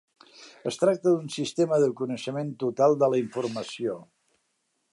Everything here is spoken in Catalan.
Es tracta d'un sistema de coneixement total de la informació.